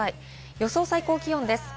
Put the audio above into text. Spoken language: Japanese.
予想最高気温です。